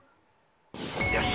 よし！